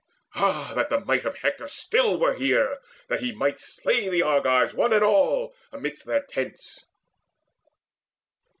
Ah that the might Of Hector still were here, that he might slay The Argives one and all amidst their tents!"